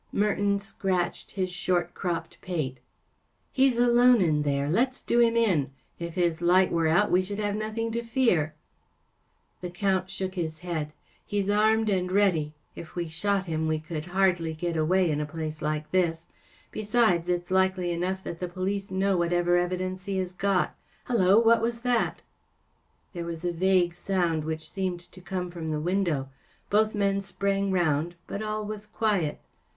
Merton scratched his short cropped pate. “ He’s alone in there. Let’s do him in. If his light were out we should have nothing to fear.‚ÄĚ The Count shook his head. “ He is armed and ready. If we shot him we could hardly get away in a place like this. Besides, it’s likely enough that the police know whatever evidence he has got. Hallo ! What was that ? ‚ÄĚ There was a vague sound which seemed to come from the window. Both men sprang round, but all was quiet.